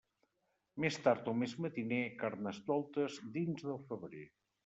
Més tard o més matiner, Carnestoltes, dins del febrer.